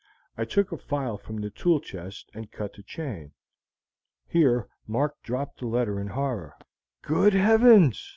I took a file from the tool chest and cut the chain." Here Mark dropped the letter in horror. "Good Heavens!"